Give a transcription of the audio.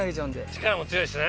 力も強いしね。